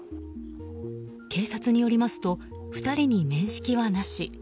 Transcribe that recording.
警察によりますと２人に面識はなし。